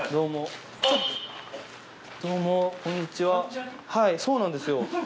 はいそうなんですよ